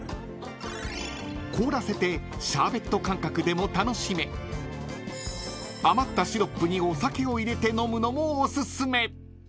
［凍らせてシャーベット感覚でも楽しめ余ったシロップにお酒を入れて飲むのもおすすめ］